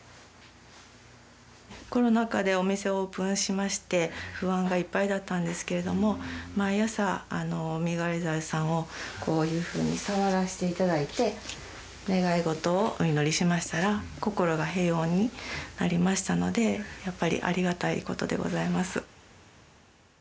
コロナ禍でお店をオープンしまして不安がいっぱいだったんですけれども毎朝身代わり申さんをこういうふうに触らして頂いて願い事をお祈りしましたら心が平穏になりましたのでやっぱりありがたいことでございます。